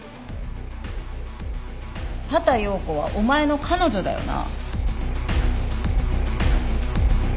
畑葉子はお前の彼女だよな？